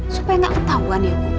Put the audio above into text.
supaya gak ketahuan ibu